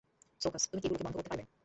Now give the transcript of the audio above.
সোকস, তুমি কি এগুলোকে বন্ধ করতে পারবে?